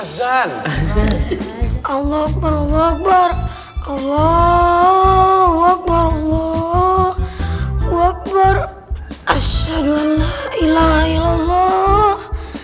azan allah berwakbar allah wabarakatuh wakbar asyadualla ila ilallah